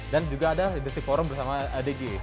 dan juga ada leadership forum bersama adg